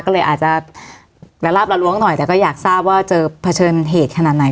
ก็เลยอาจจะระลาบละล้วงหน่อยแต่ก็อยากทราบว่าเจอเผชิญเหตุขนาดไหน